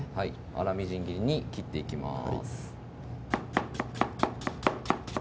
粗みじん切りに切っていきます